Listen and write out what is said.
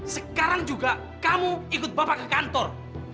sekarang juga kamu ikut bapak ke kantor